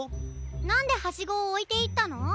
なんでハシゴをおいていったの？